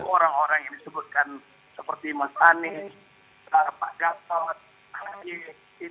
orang orang yang disebutkan seperti mas anies pak gatot pak anies